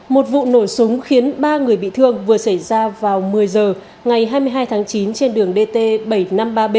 một vụ nổ súng khiến ba người bị thương vừa xảy ra vào một mươi giờ ngày hai mươi hai tháng chín trên đường điện